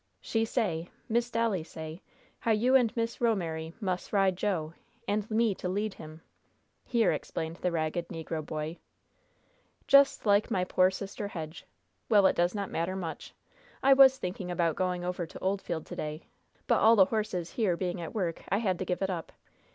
"She say Miss Dolly say how you and Miss Ro'mery mus' ride Jo, and me to lead him," here explained the ragged negro boy. "Just like my poor sister Hedge! Well, it does not matter much. I was thinking about going over to Oldfield to day; but all the horses here being at work, I had to give it up.